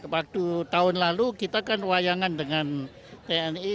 waktu tahun lalu kita kan wayangan dengan tni